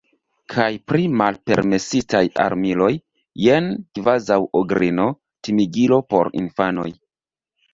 Kaj pri malpermesitaj armiloj – jen kvazaŭ ogrino, timigilo por infanoj.